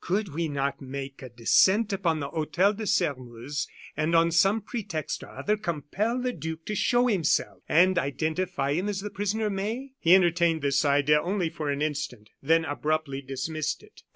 "Could we not make a descent upon the Hotel de Sairmeuse, and, on some pretext or other, compel the duke to show himself, and identify him as the prisoner May?" He entertained this idea only for an instant, then abruptly dismissed it.